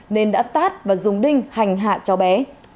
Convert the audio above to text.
nên đã tát và dùng đinh hành hạ cháu bé